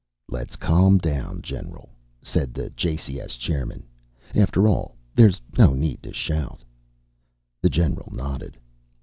"Let's calm down, General," said the JCS chairman, "After all, there's no need to shout." The general nodded.